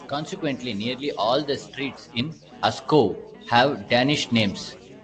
Consequently, nearly all the streets in Askov have Danish names.